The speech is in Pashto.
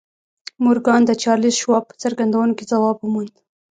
مورګان د چارلیس شواب په څرګندونو کې ځواب وموند